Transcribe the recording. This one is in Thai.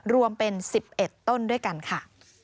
รวมเป็น๑๑ต้นด้วยกันค่ะ